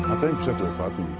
ada yang bisa dilapati